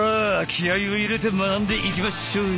気合いを入れて学んでいきまっしょい！